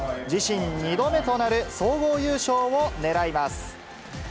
自身２度目となる総合優勝をねらいます。